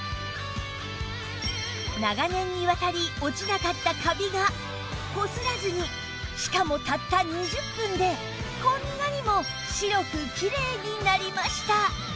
長年にわたり落ちなかったカビがこすらずにしかもたった２０分でこんなにも白くキレイになりました